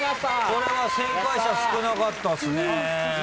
これは正解者少なかったっすね。